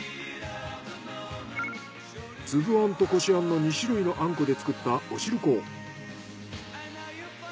つぶあんとこしあんの２種類のあんこで作ったお汁粉。